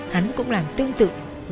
hắn cũng làm tương tự như vậy